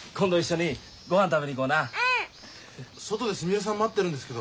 外ですみれさん待ってるんですけど。